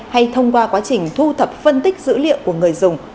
hay thông qua quá trình thu thập phân tích dữ liệu của người dùng